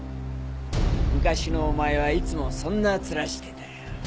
昔のお前はいつもそんな面してたよ。